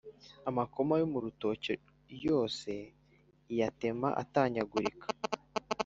amakoma yo mu rutoke yose iyatema atanyagurika;